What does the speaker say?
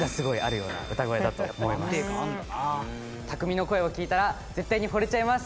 拓実の声を聴いたら絶対にほれちゃいます。